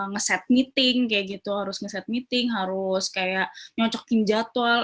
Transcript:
nge set meeting kayak gitu harus nge set meeting harus kayak nyocokin jadwal